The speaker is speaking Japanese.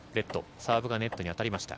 サーブがネットに当たりました。